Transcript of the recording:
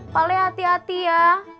pak leh hati hati ya